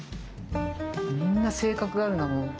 みんな性格があるなもう。